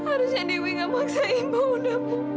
harusnya dewi nggak paksa ibu undap